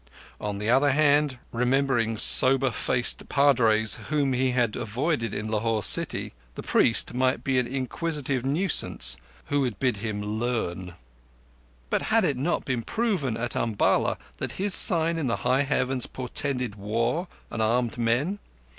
On the other hand, remembering sober faced padres whom he had avoided in Lahore city, the priest might be an inquisitive nuisance who would bid him learn. But had it not been proven at Umballa that his sign in the high heavens portended War and armed men?